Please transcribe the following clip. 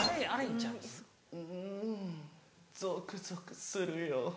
「ンンゾクゾクするよ」。